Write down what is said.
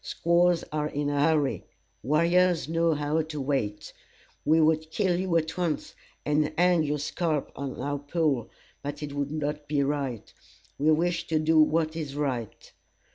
Squaws are in a hurry; warriors know how to wait. We would kill you at once, and hang your scalp on our pole, but it would not be right. We wish to do what is right.